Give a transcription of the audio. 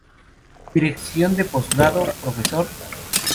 Dirección de Postgrado: Prof.